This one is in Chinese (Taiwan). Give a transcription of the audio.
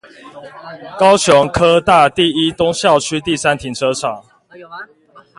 高雄科大第一東校區第三停車場